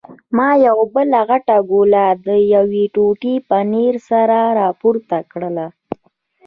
ما یوه بله غټه ګوله له یوې ټوټې پنیر سره راپورته کړل.